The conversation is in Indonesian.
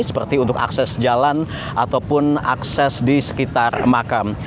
seperti untuk akses jalan ataupun akses di sekitar makam